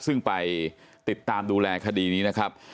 ซึ่งไปติดตามดูแลคดีนี้นะครับ